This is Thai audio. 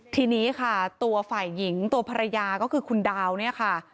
ทีนี้ค่ะตัวฝ่ายหญิงตัวภรรยาก็คือคุณดาวเนี่ยค่ะ